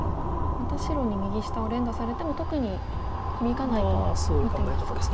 また白に右下を連打されても特に響かないと見てますか。